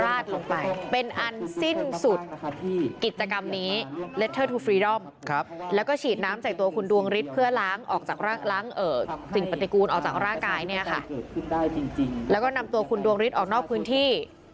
ราดลงไปเป็นอันสิ้นสุดที่กิจกรรมนี้แล้วก็ฉีดน้ำใส่ตัวคุณดวงฤทธิ์เพื่อล้างออกจากล้างเอ่อสิ่งปฏิกูลออกจากร่างกายเนี้ยค่ะแล้วก็นำตัวคุณดวงฤทธิ์ออกนอกพื้นที่